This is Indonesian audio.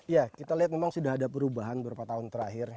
ya kita lihat memang sudah ada perubahan beberapa tahun terakhir